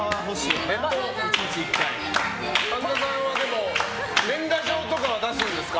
神田さんは年賀状とかは出すんですか？